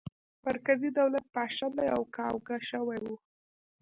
مرکزي دولت پاشلی او کاواکه شوی و.